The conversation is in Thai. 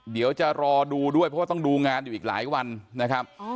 เดี๋ยวจะรอดูด้วยเพราะว่าต้องดูงานอยู่อีกหลายวันนะครับ